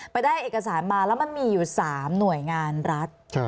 ไปได้เอกสารมาแล้วมันมีอยู่๓หน่วยงานรัฐ